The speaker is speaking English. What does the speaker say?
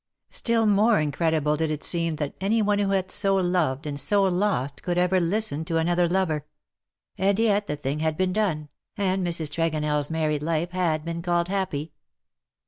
Still more incredible did it seem that any one who had so loved and so THE LOVELACE OF HIS DAY. 69 lost could ever listen to another lover ; and yet the thing had been done, and Mrs. Tregonell's married life had been called happy.